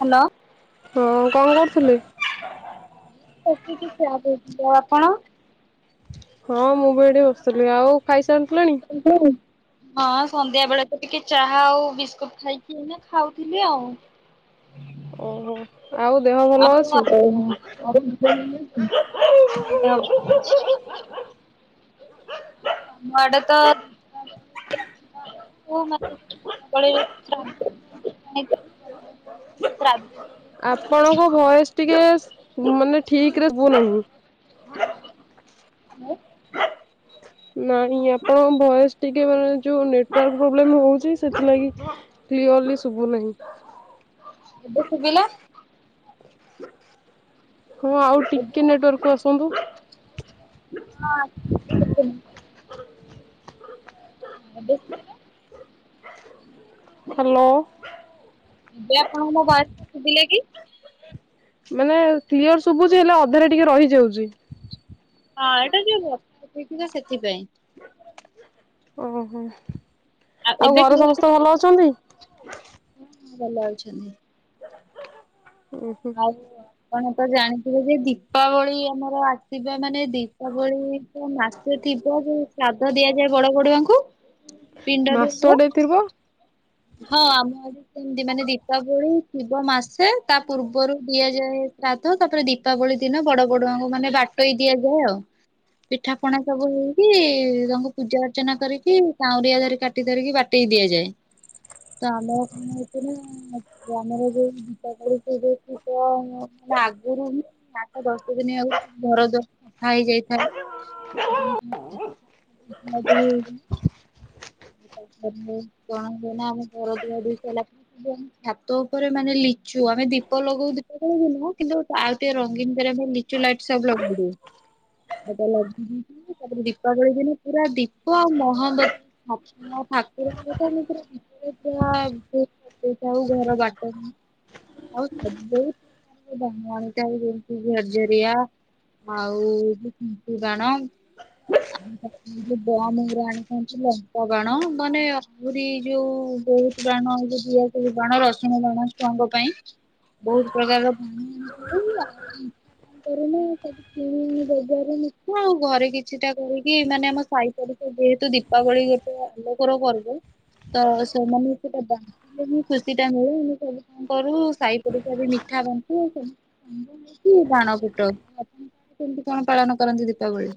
Hello. ହଁ କଣ କରୁଥିଲେ? [inaudible] ଆଉ ଆପଣ? ହଁ ମୁଁ ବି ଏଠି ବସିଥିଲି, ଆଉ ଖାଇସାରିଲେଣି? [inaudible] ହଁ ସନ୍ଧ୍ୟା ବେଳେ ତ ଟିକେ ଚାହା ଆଉ ବିସ୍କୁଟ ଖାଇକି ଖାଉଥିଲି ଆଉ। ଓହୋ ଆଉ ଦେହ ଭଲ ଅଛି? [inaudible] [inaudible] ଆମ ଆଡ଼େ ତ [inaudible] [inaudible] ଆପଣଙ୍କ ଭଏସ ଟିକେ ମାନେ ଠିକରେ ଶୁଭୁ ନାହିଁ। [inaudible] ନାଇଁ ଆପଣଙ୍କ ଭଏସ ଟିକେ ମାନେ ଯୋଉ ନେଟୱାର୍କ ପ୍ରୋବ୍ଲେମ ହଉଛି ସେଥିଲାଗି କ୍ଲିଅର୍ ଶୁଭୁ ନାହିଁ। ଏବେ ଶୁଭିଲା? ହଁ ଆଉ ଟିକେ ନେଟୱାର୍କକୁ ଆସନ୍ତୁ। ହଁ। [inaudible] [inaudible] ହାଲୋ। ଏବେ ଆପଣଙ୍କ ମୋ ବା ଶୁଭିଲା କି? ମାନେ କ୍ଲିଅର ଶୁଭୁଛି, ହେଲେ ଅଧାରେ ଟିକେ ରହିଯାଉଛି। ହଁ ଏଇଟା ଯୋଉ ବର୍ଷା ହୋଇଛି ନା ସେଥିପାଇଁ। ଓହୋ ଆଉ ଏବେ ଘରେ କ୍ଲିୟର ସମସ୍ତେ ଶୁଭୁଛି? ଭଲ ଅଛନ୍ତି? ଭଲ ଅଛନ୍ତି। ଉଁ। ହୁଁ ଆଉ ଆପଣ ତ ଜାଣିଥିବେ ଯେ ଦୀପାବଳି ଆମର ଆସିବା ମାନେ ଦୀପାବଳି ମାସେ ଥିବ ଯୋଉ ଶ୍ରାଦ୍ଦ ଦିଆଯାଏ, ବଡ ବଡୁଆଙ୍କୁ ପିଣ୍ଡ ଦିଆଯାଏ। ମାସଟେ ଥିବ ହଁ ଆମ ଆଡେ। ସେମତି ମାନେ ଦୀପାବଳି ଥିବ ମାସେ ତା ପୂର୍ବରୁ ଦିଆଯାଏ ସାଦ୍ ତ ତାପରେ ଦୀପାବଳି ଦିନ ବଡ ବଡୁଆଙ୍କୁ ମାନେ ବାଟୋଇ ଦିଆଯିବ ଆଉ। ପିଠା ପଣା ସବୁ ହୁଏ ତାଙ୍କୁ ପୂଜା ଅର୍ଚ୍ଚନା କରିକି କାଁଉରିଆ ଧରିକି କା ବାଟି ଧରିକି ବାଟେଇ ଦିଆଯାଏ। କାମ ମୋ ଓପରେ। ଯ ଆମର ଯୋଉ ଦୀପାବଳି ସେଇ ଯୋଉ ଥିବ ମୁଁ ମାନ ଆଗରୁ ହିଁ ସାତ ଦଶ ଦିନ ଆଗରୁ ଘର ଦ୍ୱାର ସଫା ହେଇଯାଇଥାଏ। ହଁ ମଦେବୀ ହେଇଚି। କଣ ହେନା ଆମେ ପଳାଉଚୁ [unintelligible] ଛାତ ଉପରେ ମାନେ ଲିଚୁ ଆମେ ଦୀପଲଗଉ ଦୀପ ଯଳଉ ବି ନୁହଁ କିନ୍ତୁ ଆଉ ଟିକେ ରଙ୍ଗୀନ୍‌ କରିବା ପାଇଁ ଆମେ ଲିଚ୍ ଲିଚୁ ଲାଇଟ୍ ସବୁ ଲଗେଇ ଦେଉ। ସେଟା ଲାଗିଦେଇଛି ତାପରେ ଦୀପାବଳି ଦିନ ପୁରା ଦୀପ ଆଉ ମହଁବତୀ। ହଁ ମୋ ଠାକୁରଙ୍କୁ ତ ମୁଁ ପୁରା [unintelligible] ସଯେଇ ଥାଉ ଘର ବାଟମୁହଁ। ଆଉ ସଯଉ ବାଣ ଆଣିକି ଆଉ ଯେମତି ଝର୍ଝରିଆ। ଆଉ କୁମ୍ପି ବାଣ। ଆଉ ଯୋଉ ବମ୍ ଗୁରା ଆଣି ପହଞ୍ଚିଲେ। ପ ବାଣ ମାନେ ଆହୁରି ଯୋଉ ବହୁତ ବାଣ ଯୋଉ ଦିଆସିଲ ବାଣ ରସୁଣ ବାଣ। ଛୁଆଙ୍କ ପାଇଁ ବହୁତ ପ୍ରକାରର ଭଣ [unintelligible] ହୁଁ ବଜାରରୁ ମିଠା ଆଉ ଘରେ କିଛିଟା କରିକି ମାନେ ଆମ ସାଇ ପଡିସା ଯେହେତୁ ଦୀପାବଳି ଯୋଉ ଆଲୋକର ପର୍ବ ତ ସେମାନେ ଏଥିରେ ବା- ଖୁସି ଟା ମିଳୁ ମୁଁ ସବୁ କଣ କରୁ ସାଇ ପଡିସା ବି ମିଠା ବାଣ୍ଟୁ ସବୁ। ସାଙ୍ଗ ହେଇକି ବାଣ ପୁଟଉ ଆପଣ କେମତି କଣ ପାଳନ କରନ୍ତି ଦୀପାବଳି।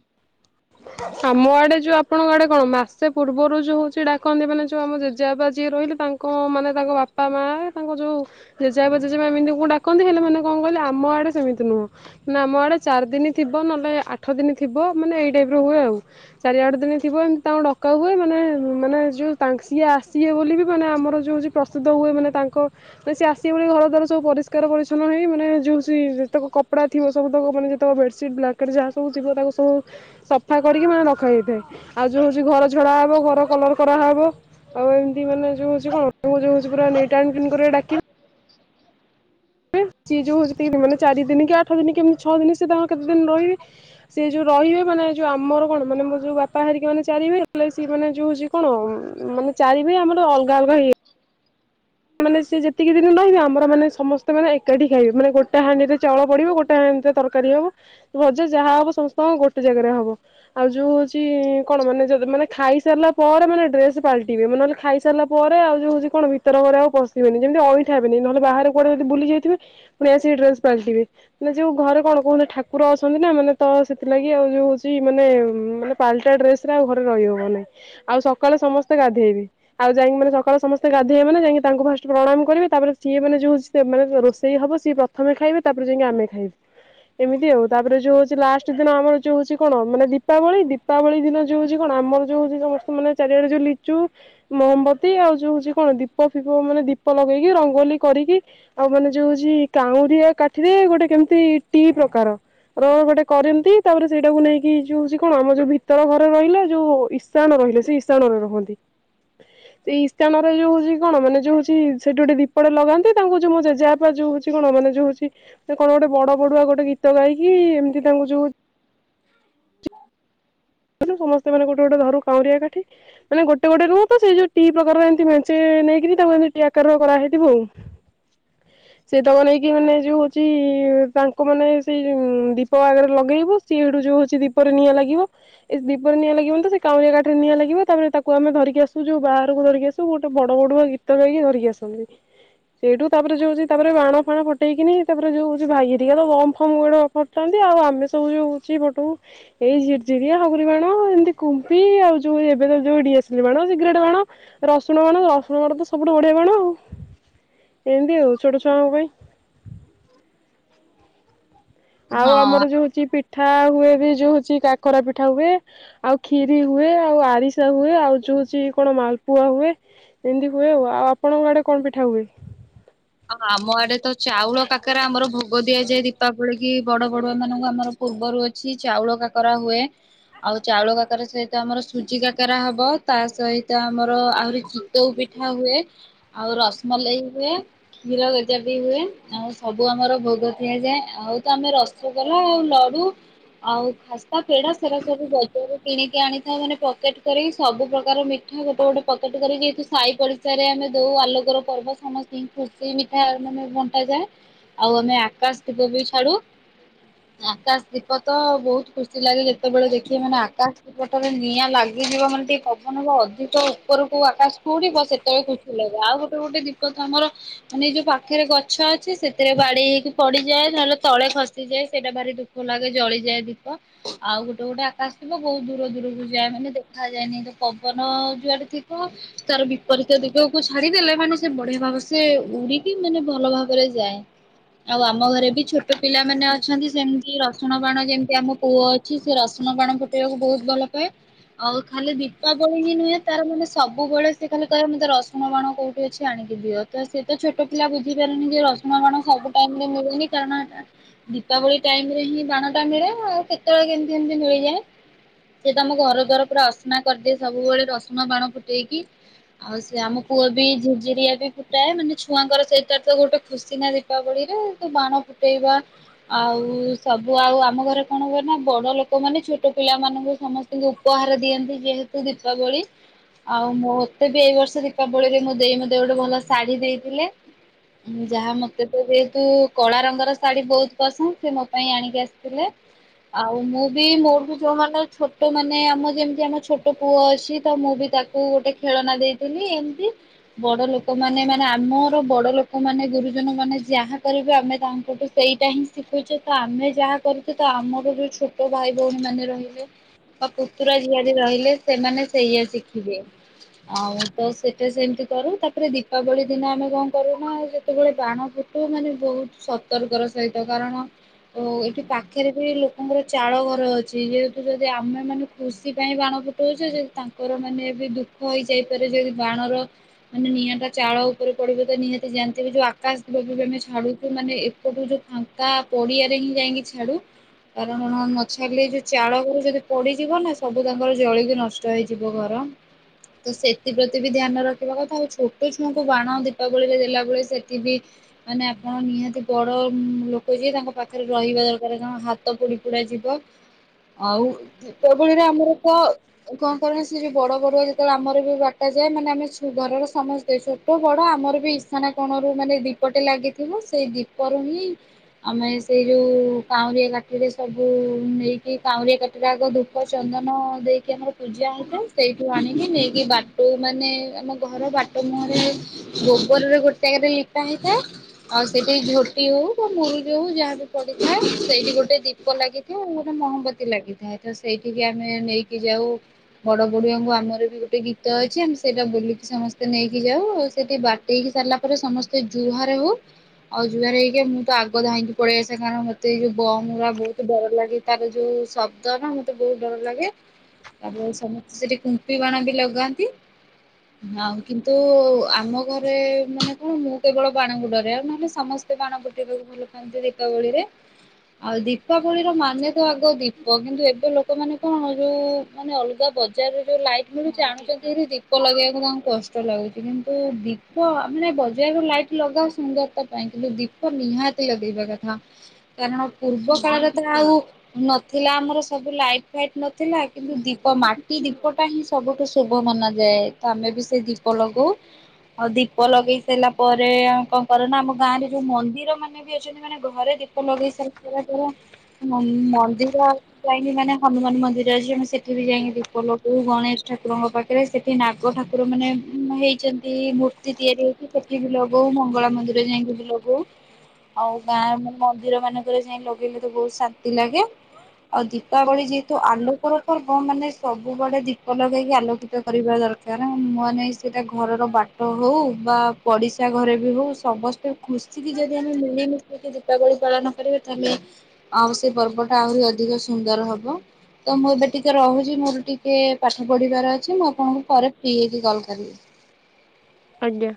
ଆମ ଆଡେ ଯୋଉ ଆପଣଙ୍କ ଆଡେ କଣ ମାସେ ପୂର୍ବରୁ ଯୋଉ ହଉଚି ଡାକନ୍ତି ମାନେ ଯଉ ଆମ ଜେବା ଯିଏ ରହିଲେ ତାଙ୍କ କଣ ମାନେ ତାଙ୍କ ବାପା ମା ତାଙ୍କ ଯୋଉ ଜେଜେବାପା ଜେଜେମା ଏମିତି ଙ୍କୁ ଡାକନ୍ତି ହେଲେ ମାନ କଣ କହଲେ ଆମ ଆଡେ ସେମିତି ନୁହଁ। ନା ଆମ ଆଡେ ଚାରି ଦିନ ଥିବ ନଲେ ଆଠ ଦିନ ଥିବ ମାନେ ଏଇ ଟାଇପ୍ ର ହୁଏ ଆଉ। ଚାରି ଆଠ ଦିନ ଥିବ ଏମିତି ତାଙ୍କୁ ଡକାହୁଏ ମାନେ ମାନେ ଯେଉଁ ତାଙ୍କ ସିଏ ଆସିବେ ବୋଲି ବି ମାନେ ଆମର ଯଉ ହଉଚି ପ୍ରସ୍ତୁତ ହୁଏ ମାନେ ତାଙ୍କ ମାନେ ସେ ଆସିବେ ବୋଲି ଘର ଦ୍ବାର ସବୁ ପରିଷ୍କାର ପରିଛନ୍ନ ହେଇ ମାନେ ଯୋଉ ସି ଯେତେକ କପଡା ଥିବ ସବୁତକ ମାନେ ଯେତେକ ବେଡସିଟ୍ ବ୍ଲାଙ୍କେଟ୍ ଯାହା ସବୁ ଥିବ ତାକୁ ସବୁ ସବ୍ ସଫା କରିକି ମାନେ ରଖାଯାଇଥାଏ ଆଉ ଯୋଉ ହଉଛି ଘର ଝଡା ହବ ଘର କଲର କରାହେବ ଆଉ ଏମିତି ମାନେ ଯଉ ହଉଚି କଣ ଯୋଉ ହଉଚି ପୁରା ନିଟ ଆଣ୍ଡ କ୍ଲିନ କରିକି ଡାକି ସିଏ ଯଉ ଯେତିକି ମାନେ ଚାରି ଦିନି କି ଆଠ ଦିନି କେମିତି ଛଅ ଦିନି ସେ କେତେ ଦିନି ରହିବେ। ସେ ଯୋଉ ରହିବେ ମାନେ ଯୋଉ ଆମର କଣ ମାନେ ମୋର ଯୋଉ ବାପା ହେରିକି ମାନେ ଚାରିଭାଇ [unintelligible] ସିଏ କହିଲେ ଯୋଉ ସିଏ କଣ ମାନେ ଚାରି ଭାଇ ଆମର ଅଲଗା ଅଲଗା ହେଇ ମାନେ ସେ ଯେତିକି ଦିନ ରହିବେ ଆମର ମାନେ ସମସ୍ତେ ମାନେ ଏକାଠି ଖାଇବେ ମାନେ ଗୋଟେ ହାଣ୍ଡିରେ ଚାଉଳ ପଡ଼ିବ ଗୋଟେ ହାଣ୍ଡିରେ ତର କାରୀ ହବ ଭଜା ଯାହା ହବ ସମସ୍ତଙ୍କ ଗୋଟେ ଜାଗାରେ ହବ। ଆଉ ଯୋଉ ହଉଛି କଣ ମାନେ ଯୋଉ ଦିନ୍ ମାନେ ଖାଇସାରିଲା ପରେ ମାନେ ଡ୍ରେସ ପାଲଟିବେ ନହେଲେ ଖାଇ ସାରିଲା ପରେ ଆଉ ଯଉ ହୋଉଛି କଣ ଭିତର ଘର ଆଉ ପଶିବେନି ଯେମିତି ଅଇଁଠା ହେବେନି ନହେଲେ ବାହାରେ କୁଆଡେ ଯଦି ବୁଲିକି ଯାଇିଥିବେ ପୁଣି ଆସି ଡ୍ରେସ ପାଲଟିବେ। ମାନେ ଯୋଉ ଘରେ କଣ କହୁନ୍ତି ଠାକୁର ଅଛନ୍ତି ନା ମାନେ ତ ସେଥିଲାଗି ଆଉ ଯୋଉ ହଉଛି ମାନେ ମାନେ ପାଲଟା ଡ୍ରେସ ରେ ଆଉ ଘରେ ରହି ହବ ନାଇଁ। ଆଉ ସକାଳୁ ସମସ୍ତେ ଗାଧେଇବେ ଆଉ ଯାଇକି ମାନେ ସକାଳୁ ସମସ୍ତେ ଗାଧେଇବେ ମାନେ ଯାଇଁକି ତାଙ୍କୁ ଫାଷ୍ଟ ପ୍ରଣାମ କରିବେ ତାପରେ ସିଏ ମାନେ ଯେଉ ସେ ମାନେ ରୋଷେଇ ହେବ ସିଏ ପ୍ରଥମେ ଖାଇବେ ତାପରେ ଯାଇକି ଆମେ ଖାଇବୁ। ଏମିତି ଆଉ ତାପରେ ଯୋଉ ହଉଛି ଲାଷ୍ଟ ଦିନ ଆମର ଯୋଉ ହଉଛି କଣ ମାନେ ଦୀପାବଳି ଦୀପ୍ ଦୀପାବଳି ଦିନ ଯୋଉ ହଉଛି କଣ ଆମର ଯୋଉ ହୋଉଚି ଯୋଉ ଲୋକ ମାନେ ଚାରିଆଡେ ଯୋଉ ଲିଚୁ ମହଁବତୀ ଆଉ ଯୋଉ ହଉଛି କଣ ଦୀପ ଫିପ ମାନେ ଦୀପ ଲଗେଇକି ରଙ୍ଗୋଲି କରିକି ଆଉ ମାନେ ଯୋଉ ହଉଛି କାଉଁରିଆ କାଠିରେ ଗୋଟେ କେମିତି ଟି ପ୍ରକାର। ର ଗୋଟେ କରନ୍ତି ତାପରେ ସେଇଟାକୁ ନେଇକି ଯୋଉ ସେ କଣ ଆମ ଯୋଉ ଭିତର ଘରେ ରହିଲା ଯୋଉ ଇଶ୍ ଇଶାନ ରହିଲେ ସେଇ ଇଶାନରେ ରହନ୍ତି ସେଇ ଇଶାନରେ ଯୋଉ ହଉଚି କଣ ମାନେ ଯୋଉ ହଉଚି ସେଠି ଗୋଟେ ଦୀପଟେ ଲଗାନ୍ତି ତାଙ୍କୁ ଯୋଉ ମୋ ଜେଜେ ବାପା ଯୋଉ ହୋଉଚି କଣ ମାନେ ଯୋଉ ହଉଚି ସେ କଣ ଗୋଟେ ବଡ ବଡୁଆ ଗୋଟେ ଗୀତ ଗାଇକି ଏମିତି ତାଙ୍କୁ ଯୋଉ [inaudible] ସମସ୍ତେ ମାନେ ଗୋଟେ ଗୋଟେ ଧରୁ କାଉଁରିଆ କାଠି। ମାନେ ଗୋଟେ ଗୋଟେ ରୁହ ତ ସେଇ ଯୋଉ ଟି ପ୍ରକାରର ଏମତି ମଞ୍ଚେ ନେଇକି ତାଙ୍କୁ ଏମତି ଟି ଆକାର କରାହେଇଥିବ ଆଉ। [inaudible] ସେ ତକ ନେଇକି ମାନେ ଯୋଉ ହଉଚି ତାଙ୍କୁ ମାନେ ସେଇ ଯୋଉ ଦୀପ ଆଗରେ ଲଗେଇବୁ। ସିଆଡୁ ଯୋଉ ହୋଉଚି ଦୀପରେ ନିଆଁ ଲାଗିବ ଏ ଦୀପରେ ନିଆଁ ଲାଗିବନିତ ସେ କାଉଁରିଆ କାଠିରେ ନିଆଁ ଲାଗିବ ତାପରେ ତାକୁ ଆମେ ଧରିକି ଆସୁ ଯୋଉ ବାହାରକୁ ଧରିକି ଆସୁ ଗୋଟେ ବଡ ବଡୁଆ ଗୀତ ଗୀତ ଗାଇକି ଧରିକି ଆସନ୍ତି। ସେଇଠୁ ତାପରେ ଯୋଉ ହଉଛି ତାପରେ ବାଣ ଫାଣ ଫଟେଇକିନି ତାପରେ ଯୋଉ ହୋଉଚି ଭାଇ ହେରିକାତ ବମ ଫମ ବାଣ ଫୁଟାନ୍ତି ଆଉ ଆମେ ସବୁ ଯୋଉହଉଚି ଫଟଉ ଏଇ ଝିର୍ ଝିରିଆ ହଗ ବାଣ ଏମିତି କୁମ୍ପି ଆଉ ଯୋଉ ଏବେତ ଯୋଉ ଡିଆସିଲି ବାଣ ଶୀଗାରେଟେ ବାଣ ରସୁଣ ବାଣ ରସୁଣ ବାଣତ ସବୁଠୁ ବଢିଆବାଣ ଆଉ ଏମିତି ଆଉ ଛୋଟ ଛୁଆଙ୍କ ପାଇଁ ଆଉ ହଁ ଆମର ଯୋଉ ହଉଚି ପିଠା ହୁଏବି ଯୋଉ ହଉଚି କାକରା ପିଠା ହୁଏ। ଆଉ ଖିରି ହୁଏ ଆଉ ଆରିସା ହୁଏ ଆଉ ଯୋଉ ହଉଚି କଣ ମାଲପୁଆ ହୁଏ। ଏମିତି ହୁଏ ଆଉ ଆଉ ଆପଣଙ୍କ ଆଡେ କଣ ପିଠା ହୁଏ? ଆମ ଆଡେତ ଚାଉଳ କାକରା ଆମର ଭୋଗ ଦିଆଯାଏ ଦୀପାବଳିକି ବଡ ବଡୁଆ ମାନଙ୍କୁ ଆମର ପୂର୍ବରୁ ଅଛି ଚାଉଳ କାକରା ହୁଏ ଆଉ ଚାଉଳ କାକରାରେ ସେ ତ ଆମର ସୁଜି କାକରା ହବ ତା ସହିତ ଆମର ଆହୁରି ଚିତଉ ପିଠାହୁଏ ଆଉ ରସମଲେଇ ହୁଏ। କ୍ଷୀରଗଜାବି ହୁଏ ଆଉ ସବୁ ଆମର ଭୋଗ ଦିଆଯାଏ ଆଉତ ଆମେ ରସଗୋଲା ଆଉ ଲଡୁ ଆଉ ଖାସ୍ତା ପେଡା ସେରାସବୁ ବଜାରରେ କିଣିକି ଆଣିଥାଉ ମାନେ ପକେଟ କରିକି ସବୁ ପ୍ରକାର ମି ଗୋଟେ ଗୋଟେ ପକେଟ କରି ଯେହେତୁ ସାହି ପଡିସାରେ ଆମେ ଦଉ ଆଲୋକର ପର୍ବ ସମସ୍ତିକି ଖୁସି ମିଠା ମାନେ ବଣ୍ଟାଯାଏ ଆଉ ଆମେ ଆକାଶ ଦୀପବି ଛାଡୁ ଆକାଶ ଦୀପତ ବୋହୁତ ଖୁସି ଲାଗେ ଯେତେବେଳେ ଦେଖିବେ ମାନେ ଆକାଶ ପଥମେ ନିଆଁ ଲାଗିଯିବ ମାନେ ଟିକେ ପବନହବ ଅଧିକ ଉପରକୁ ଆକାଶକୁ ଉଡିବ ସେତେବେଳେ ଆଉ ଗୋଟେ ଗୋଟେ ଦୀପତ ଆମର ମାନେ ଯୋଉ ପାଖରେ ଗଛ ଅଛି ସେଥିରେ ବାଡେଇ ହେଇକି ପଡିଯାଏ ନହଲେ ତଳେ ଖସିଯାଏ ସେଇଟା ଭାରି ଦୁଃଖ ଦୁଃଖ ଲାଗେ ଜଳିଯାଏ ଦୀପ ଆଉ ଗୋଟେ ଗୋଟେ ଆକାଶଦୀପ ବୋହୁତ ଦୂର ଦୂରକୁ ଯାଏ ମାନେ ଦେଖାଯାଏନିତ ପବନ ଯୁଆଡେ ଥିବ। ତାର ବିପରୀତ ଦିଗକୁୁ ଛାଡିଦେଲେ ମାନେ ସେ ବଢିଆ ଭାବସେ ସେ ଉଡିକି ମାନେ ଭଲ ଭାବରେ ଯାଏ ଆଉ ଆମ ଘରେବି ଛୋଟ ଟ୍ ପିଲାମାନେ ଅଛନ୍ତି ସେମିତିରହେ ରସୁଣ ବାଣ ଯେମିତି ଆମ ପୁଅଅଛି ସେ ରସୁଣ ବାଣ ଫୁଟେଇବାକୁ ବୋହୁତ ଭଲପାଏ। ଆଉ ଖାଲି ଦୀପାବଳି ହିଁ ନୁହେଁ ତାର ମାନେ ସବୁବେଳେ ସେ ଖାଲି କହେ ମତେ ରସୁଣବାଣ କୋଉଠୁ ଅଛି ଛାଣିକି ଦିଅ ତ ସେତ ଛୋଟ ପିଲା ବୁଝିପାରୁନି ଯେ ରସୁବାଣ ସବୁ ଟାଇମିରେ ମିଳେନି କାରଣଏଟା ଦୀପାବଳି ଟାଇମିରେହିଁ ବାଣଟା ମିଳେ ଆଉ କେତେବେଳେ କେମିତି ଏମିତି ମିଳିଯାଏ। ସେ ଆମ ଘରଦ୍ୱାର ପୁରା ଅସନା କରିଦିଏ ସବୁବେଳେ ରସୁଣ ବାଣ ଫୁଟେଇକି ଆଉ ସେ ଆମ ପୁଅବି ଝିରି ଝିରିଆବି ଫୁଟାଏ ମାନେ ଛୁଆଙ୍କର ସେଇଟାରେତ ଗୋଟେ ଖୁସିନା ଦୀପାବଳିରେ ବାଣ ଫୁଟେଇବା ଆଉ ସବୁ ଆଉ ଆମଘରେ କଣ ହୁଏନା ବଡ ଲୋକ ମାନେ ଛୋଟ ପିଲା ମାନଙ୍କୁ ସମସ୍ତେ ଉପହାର ଦିଅନ୍ତି ଯେହେତୁ ଦୀପାବଳି ଆଉ ମୋତେବି ଏଇବର୍ଷ ଦୀପାବଳିରେ ମୋଦେଇ ମତେ ଗୋଟେ ଭଲ ଶାଢୀ ଦେଇଥିଲେ। ଯାହା ମତେତ ଯେହେତୁ କଳାରଙ୍ଗର ଶାଢୀ ବହୁତ ପସନ୍ଦ ସେ ମୋପାଇଁ ଆଣିକି ଆସିଥିଲେ। ଆଉ ମୁଁବି ମୋରବି ଯୋଉମାନେ ଛୋଟ ମାନେ ଆମ ଯେମିତି ଆମ ଛୋଟ ପୁଅଅଛି ତ ମୁଁବି ତାକୁ କୁ ଗୋଟେ ଖେଳନା ଦେଇଥିଲି ଏମତି ବଡ ଲୋକ ଲୋକମାନେ ମାନେ ଆମର ବଡ଼ ଲୋକମାନେ ଗୁରୁଜନ ମାନେ ଯାହା କରିବେ ଆମେ ତାଙ୍କଠୁ ସେଇଟାହିଁ ଶିଖୁଛେତ ଆମେ ଯାହା କରଚୁତ ଆମର ଯୋଉ ଛୋଟ ଭାଇ ଭଉଣୀ ମାନେ ରହିଲେ ପୁତୁରା ଝିଆରି ରହିଲେ ସେମାନେ ସେଇଆ ଶିଖିବେ ଆଉ ତ ସେଟା ସେମିତି କରୁ ତା ତାପରେ ଦୀପାବଳି ଦିନ ଆମେ କଣ କରୁନା ଯେତେବେଳେ ବାଣଫୁଟୁ ମାନେ ବହୁତ ସ ସତର୍କର ସହିତ କାରଣ ଓ ଏଠି ପାଖରେବି ଲୋକଙ୍କର ଚାଳଘର ଅଛି ଯେହେତୁ ଯଦି ଆମେମାନେ ଖୁସି ପାଇଁ ବାଣଫୁଟ ଛେ ଯଦି ତାଙ୍କର ମାନେ ଦୁଃଖ ହେଇଯାଇପାରେ ଯଦି ବାଣର ମାନେ ନିଆଁ ଚାଳ ଉପରେ ପଡିବତ ନିହାତି ଜାଣିଥିବେ ଯୋଉ ଆକାଶ ଦୀପ ଆମେ ଛାଡୁଛୁ ମାନେ ଏପଟୁ ଯୋଉ ଫାଙ୍କା ପଡିଆରେ ହିଁ ଯାଇକି ଛାଡୁ। କାରଣ ନଛାଡିଲେ ଯୋଉ ଚାଳ ଉପରେ ଯଦି ପଡିଯିବ ନା ସବୁ ତାଙ୍କର ଜଳିକି ନଷ୍ଟ। ହେଇଯିବ ଘର ତ ସେଥିପ୍ରତି ବି ଧ୍ୟାନ ରଖିବା କଥା। ଆଉ ଛୋଟ ଛୁଆଙ୍କୁ ବାଣ ଦୀପାବଳି ରେ ଦେଲାବେେଳେ ସେଠି ବିି? ମାନେ ଆପଣ ନିହାତି ବଡ ଲୋକ ଯି ତାଙ୍କ ପାଖରେ ରହିବା ଦରକାର କଣ ହାତ ହାତ ପୋଡି ପୋଡା ଯିବ ଆଉ ଦିପାବଳୀ ରେ ଆମର ତ କଣ କଣ ସେ ଯୋଉ ବଡ ବଡୁ ଯେତେବେଳେ ଆମର ବି ବାଟା ଯାଏ ମାନେ ଆମେ ଘରର ସମସ୍ତେ ଛୋଟ ବଡ ଆମର ବି ଇସାନା କୋଣରୁ ମାନେ ଦୀପଟେ ଲାଗିଥିବ ସେଇ ଦୀପରୁ ହିଁ ଆମେ ସେଇ ଯୋଉ କାଉଁରିଆ କାଠିରେ ସବୁ ନେଇକି କାଉଁରିଆ କାଠି ଧୂପ ଚନ୍ଦନ ଦେଇକି ଆମର ପୂଜା ହେଇଥାଏ ସେଇଠୁ ଆଣିକି ନେଇକି ବା ମାନେ ଆମ ଘର ବାଟ ମୁହଁରେ ଗୋବରରେ ଗୋଟେ ଜାଗାରେ ଲିପା ହେଇଥାଏ। ଆଉ ସେଇଠି ଝୋଟି ହଉ ବା ମୁରୁଜ ହଉ ଯାହା ବି ପଡିଥାଏ ସେଇଠି ଗୋଟେ ଦୀପ ଲାଗି ତ ଗୋଟେ ମହମବତୀ ଲାଗିଥାଏ ତ ସେଇଠିକି ଆମେ ନେଇକି ଯାଉ। ବଡ ବଡିଆଙ୍କୁ ଆମର ବି ଗୋଟେ ଗୀତ ଅଛି ଆମେ ସେଇଟା ବୋଲିକି ସମସ୍ତେ ନେଇକି ଯାଉ ଆଉ ସେଠି ବାଟେଇକି ସାରିଲା ପରେ ସମସ୍ତେ ଜୁହାର ହଉ। ଆଉ ଯୁଆରେ ହେଇକି ମୁଁ ତ ଆଗ ଧାଇଁକି ପଳେଇ ଆସେ କାରଣ ମତେ ଏଇ ଯୋଉ ବମ୍ ଗୁରା ବହୁତ ଡର ଲାଗେ। ତାର ଯୋଉ ଶବ୍ଦ ନା ମତେ ବହୁତ ଡର ଲାଗେ। ତାପରେ ସମସ୍ତେ ସେଠି କୁମ୍ପି ବାଣ ବି ଲଗାନ୍ତି ଆଉ କିନ୍ତୁ ଆମ ଘରେ ମାନେ କଣ ମୁଁ କେବଳ ବାଣକୁ ଡରେ ଆଉ ନହେଲେ ସମସ୍ତେ ବାଣ ଫୁଟାଇବାକୁ ଭଲ ପାଆ କୁହନ୍ତି ଦୀପାବଳି ରେ। ଆଉ ଦୀପାବଳିର ମାନେ ତ ଆଗ ଦୀପ କିନ୍ତୁ ଏବେ ଲୋକମାନେ କଣ ଯୋଉ ମାନେ ଅଲଗା ବଜାରରେ ଯୋଉ ଲାଇଟ୍ ମିଳୁଛି ଆଣୁଛନ୍ତି ହରି ଦୀପ ଲଗେଇବାକୁ ତାଙ୍କୁ କଷ୍ଟ ସୁନ୍ଦର ଲାଗୁଛି କିନ୍ତୁ ଦୀପ ମାନେ ବଜାର ରୁ ଲାଇଟ୍ ଲଗାାଅ ସୁନ୍ଦରତା ପାଇଁ କିନ୍ତୁ ଦୀପ ଦୀପ ନିହାତି ଲଗେଇବା କଥା କାରଣ ପୂର୍ବ କାଳରେ ତ ଆଉ ନଥିଲା ଆମର ସବୁ ଲାଇଟ୍ ଫାଇଟ୍ ନଥିଲା କିନ୍ତୁ ଦୀପ ମାଟି ଦୀପଟା ହିଁ ସବୁଠୁ ଶୁଭ ମନାଯାଏ ତ ଆମେ ବି ସେ ଦୀପ ଲଗଉ। ଆଉ ଦୀପ ଲଗେଇ ସାରିଲା ପରେ ଆଉ କଣ କର ନା ଆମ ଗାଁ ରେ ଯୋଉ ମନ୍ଦିର ମାନେ ବି ଅଛନ୍ତି ମାନେ ଘରେ ଦୀ ଦୀପ ଲଗେଇ ସାରିଲା ପରେ ପରେ ମ ମନ୍ଦିର ଯାଇକି ମାନେ ହନୁମାନ ମନ୍ଦିର ଅଛି ଆମେ ସେଠି ବି ଯାଇକି ଦୀପ ଲଗଉ ଗଣେଶ ଠାକୁରଙ୍କ ପାଖରେ ଏବେ ସେଠି ନାଗ ଠାକୁର ମାନେ ହେଇଛନ୍ତି ମୂର୍ତ୍ତି ତିଆରି ହେଇଛି ସେଠିବି ଲଗଉ ମଙ୍ଗଳା ମନ୍ଦିର ଯାଇକି ବି ଲଗଉ। ଆଉ ଗାଁ ମନ୍ଦିର ମାନଙ୍କରେ ଯାଇ ଲଗେଇଲେ ତ ବହୁତ ଶାନ୍ତି ଲାଗେ। ଆଉ ଦୀପାବଳି ଯେହେତୁ ଆଲୋକର ପର୍ବ ମାନେ ସବୁଆଡେ ଦୀପ ଲଗେଇକି ଆଲୋକିତ କରିବା ଦରକାର। କାରଣ ମନେ ସେଇଟା ଘରର ବାଟ ହଉ ବା ପଡ଼ିଶା ଘରେ ବି ହଉ ସମସ୍ତେ ଖୁସିିକି ଯଦି ଆମେ ମିଳିମିଶି ଯଦି ଦୀପାବଳି ପାଳନ କରିବେ ତାହେଲେ ଆଉ ସେଇ ପର୍ବ ଟା ଆହୁରି ଅଧିକ ସୁନ୍ଦର ହବ। ତ ମୁଁ ଏବେ ଟିକେ ରହୁଛି ମୋର ଟିକେ ପାଠ ପଢିବାର ଅଛି ମୁଁ ଆପଣଙ୍କୁ ପରେ ଫ୍ରି ହେଇକି କଲ୍ କରିବି। ଆଜ୍ଞା।